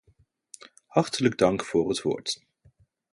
Hartelijk dank voor het woord.